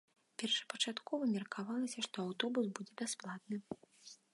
Першапачаткова меркавалася, што аўтобус будзе бясплатным.